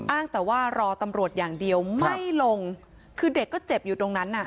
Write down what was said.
อ้างแต่ว่ารอตำรวจอย่างเดียวไม่ลงคือเด็กก็เจ็บอยู่ตรงนั้นน่ะ